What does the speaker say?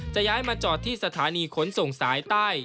จะย้ายมาจอดที่สถานีขนส่งสายใต้